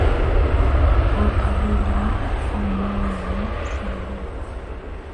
O belion amoyie saram